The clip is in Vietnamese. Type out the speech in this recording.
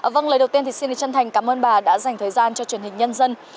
vâng lời đầu tiên thì xin chân thành cảm ơn bà đã dành thời gian cho truyền hình nhân dân